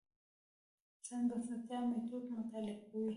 اسلام بنسټپالنې میتود مطالعه کوي.